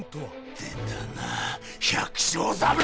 出たな百姓侍！